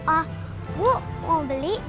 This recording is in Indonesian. oh bu mau beli